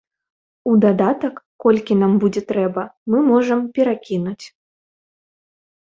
У дадатак, колькі нам будзе трэба, мы можам перакінуць.